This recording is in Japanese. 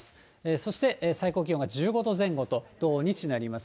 そして最高気温が１５度前後と、土日なります。